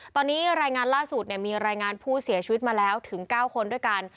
ตอนนี้รายงานล่าสุดมีรายงานผู้เสียชีวิตมาแล้วถึง๙คนด้วยกัน